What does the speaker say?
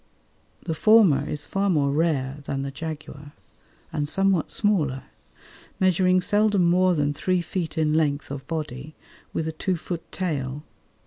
The former is far more rare than the jaguar, and somewhat smaller, measuring seldom more than three feet in length of body, with a two foot tail.